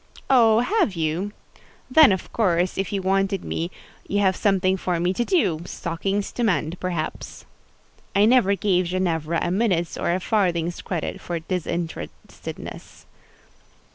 "Oh, have you? Then, of course, if you wanted me, you have something for me to do: stockings to mend, perhaps." I never gave Ginevra a minute's or a farthing's credit for disinterestedness.